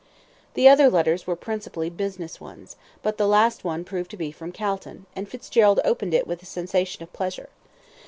The other letters were principally business ones, but the last one proved to be from Calton, and Fitzgerald opened it with a sensation of pleasure.